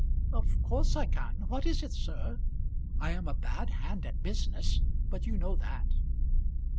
"Of course I can what is it, sir? I am a bad hand at business; but you know that."